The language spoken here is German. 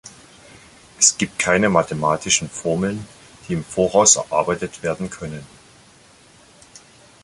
Es gibt keine mathematischen Formeln, die im voraus erarbeitet werden können.